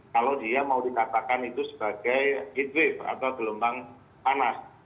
kalau dia mau dikatakan itu sebagai heat wave atau gelombang panas